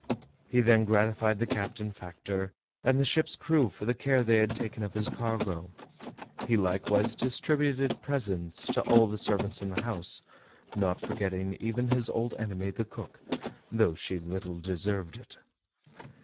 He then gratified the captain, factor, and the ship's crew for the care they had taken of his cargo. He likewise distributed presents to all the servants in the house, not forgetting even his old enemy the cook, though she little deserved it.